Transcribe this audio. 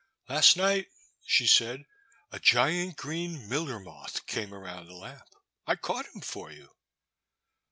I^ast night," she said, *' a great green miller moth came around the lamp. I caught him for you."